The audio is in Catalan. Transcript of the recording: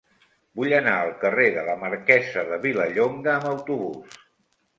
Vull anar al carrer de la Marquesa de Vilallonga amb autobús.